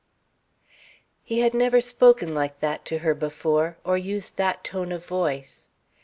He had never spoken like that to her before, or used that tone of voice.